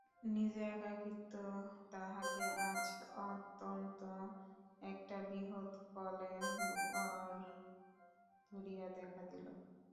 নিজের একাকিত্ব তাহাকে আজ অত্যন্ত একটা বৃহৎ কলেবর ধরিয়া দেখা দিল।